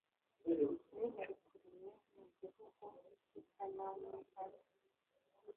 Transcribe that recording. nicukuriye mu gihugu cy i kanani abe